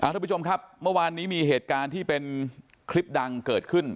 ทุกผู้ชมครับเมื่อวานนี้มีเหตุการณ์ที่เป็นคลิปดังเกิดขึ้น